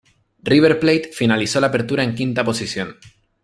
River Plate finalizó el Apertura en quinta posición.